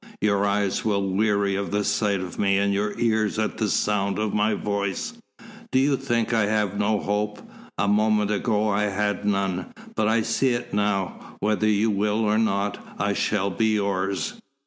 Your eyes will weary of the sight of me and your ears at the sound of my voice. Do you think I have no hope? A moment ago I had none. But I see it now. Whether you will, or not, I shall be yours.